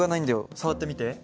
触ってみて。